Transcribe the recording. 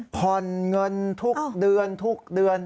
ผ่อนเงินทุกเดือนทุกเดือน